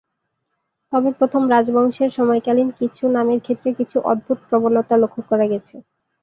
তবে প্রথম রাজবংশের সময়কালীন কিছু নামের ক্ষেত্রে কিছু অদ্ভুত প্রবণতা লক্ষ করা গেছে।